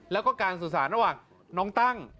แล้วก็การสื่อสารระหว่างน้องตั้ง